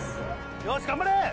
よし頑張れ！